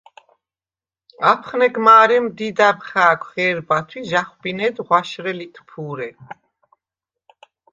აფხნეგ მა̄რემ დიდა̈ბ ხა̄̈ქვ ღე̄რბათვ ი ჟ’ა̈ხვბინედ ღვაშრე ლიტფუ̄რე.